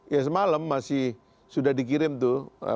ya semalam masih sudah dikirim tuh